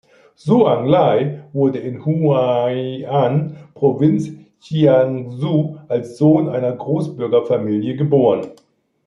Zhou Enlai wurde in Huai’an, Provinz Jiangsu, als Sohn einer Großbürger-Familie geboren.